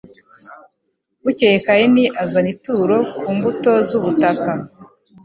bukeye kayini azana ituro ku mbuto z ubutaka